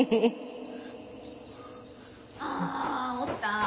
あ落ちた！